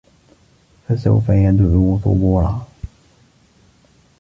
فَسَوفَ يَدعو ثُبورًا